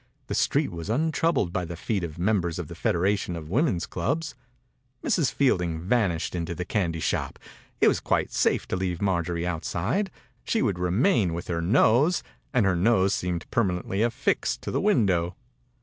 The street was un troubled by the feet of mem bers of the Federation of Women*s Clubs. Mrs. Fielding vanished into the candy shop. It was quite safe to leave Mar jorie outside; she would remain with her nose, and her nose seemed permanently afExed to the window.